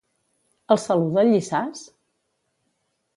El saluda el Llissàs?